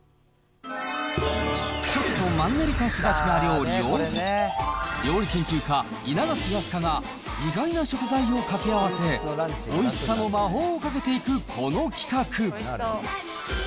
ちょっとマンネリ化しがちな料理を、料理研究家、稲垣飛鳥が意外な食材を掛け合わせ、おいしさの魔法をかけていく、この企画。